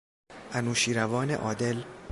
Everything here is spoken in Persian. انوشیروان عادل